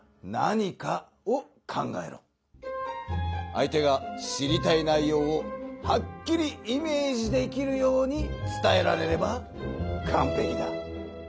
相手が知りたい内ようをはっきりイメージできるように伝えられればかんぺきだ。